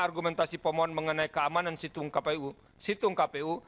argumentasi pemohon mengenai keamanan situng kpu